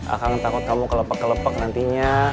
akang takut kamu kelepek kelepek nantinya